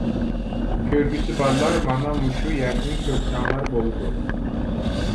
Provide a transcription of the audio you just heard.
كۆرگۈسى بارلار مانا مۇشۇ يەردىن كۆرسەڭلار بولىدۇ.